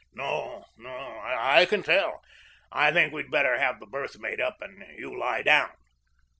"No, no; I can tell. I think we'd best have the berth made up and you lie down."